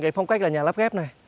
phong cách là nhà lắp ghép này